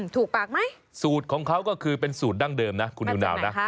ถูกปากไหมสูตรของเขาก็คือเป็นสูตรดั้งเดิมนะคุณนิวนาวนะ